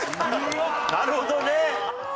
なるほどね。